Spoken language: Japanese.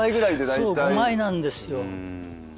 そう５枚なんですよ。